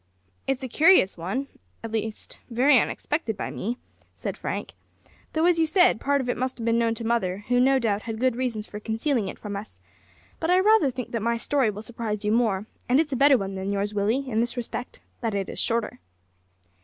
"It's a curious one, and very unexpected, at least by me," said Frank, "though, as you said, part of it must have been known to mother, who, no doubt, had good reasons for concealing it from us; but I rather think that my story will surprise you more, and it's a better one than yours, Willie, in this respect, that it is shorter."